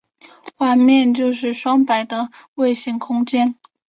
环面就是双摆的位形空间。